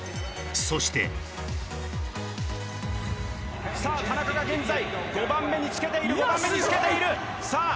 そしてさあ田中が現在５番目につけている５番目につけているさあ